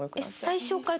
最初から？